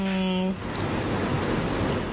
ไม่ได้ติดใจค่ะ